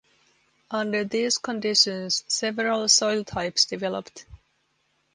Under these conditions several soil types developed.